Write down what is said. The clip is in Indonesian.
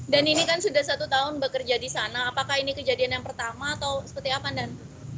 dan ini kan sudah satu tahun bekerja di sana apakah ini kejadian yang pertama atau seperti apa dan